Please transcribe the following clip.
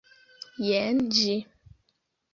Jen ĝi